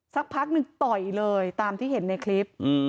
สักพักหนึ่งต่อยเลยตามที่เห็นในคลิป